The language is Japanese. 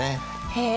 へえ。